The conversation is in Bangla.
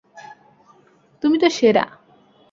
তুমি তো সেরা।